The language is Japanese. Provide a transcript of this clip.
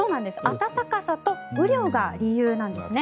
暖かさと雨量が理由なんですね。